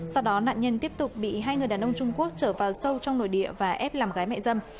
sau đó nạn nhân tiếp tục bị hai người đàn ông trung quốc trở vào sâu trong nội địa và ép làm gái mại dâm